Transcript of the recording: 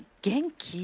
元気？